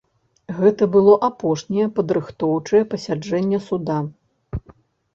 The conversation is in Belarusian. Гэта было апошняе падрыхтоўчае пасяджэнне суда.